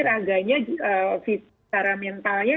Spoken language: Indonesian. raganya cara mentalnya